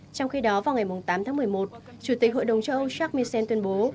trong khi đó vào ngày tám một mươi một chủ tịch hội đồng châu âu jacques michel tuyên bố